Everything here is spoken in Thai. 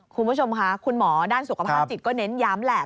คุณผู้ชมค่ะคุณหมอด้านสุขภาพจิตก็เน้นย้ำแหละ